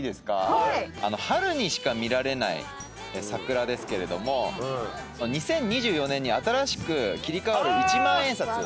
春にしか見られない桜ですけれども２０２４年に新しく切り替わる一万円札。